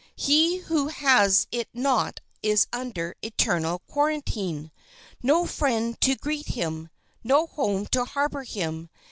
He who has it not is under eternal quarantine—no friend to greet him, no home to harbor him.